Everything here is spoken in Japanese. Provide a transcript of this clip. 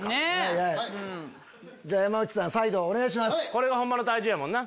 これがホンマの体重やもんな。